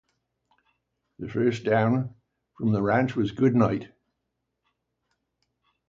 The first town from the ranch was Goodnight.